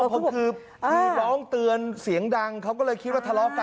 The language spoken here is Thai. เพราะคือร้องเตือนเสียงดังเขาก็เลยคิดว่าทะเลาะกัน